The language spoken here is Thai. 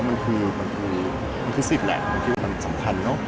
มันคือสิทธิ์แหละมันคิดว่ามันสำคัญเนอะ